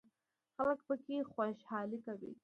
خلک پکې خوشحالي کوي.